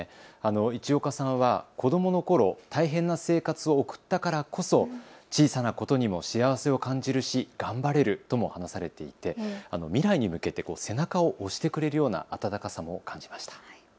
市岡さんは子どものころ大変な生活を送ったからこそ小さなことにも幸せを感じるし頑張れるとも話されていて未来に向けて背中を押してくれるような温かさも感じました。